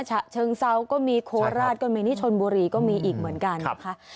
ฉะเชิงเซาก็มีโคราชก็มีนี่ชนบุรีก็มีอีกเหมือนกันนะคะ